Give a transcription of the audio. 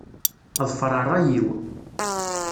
Ḍfeṛ ṛṛay-iw.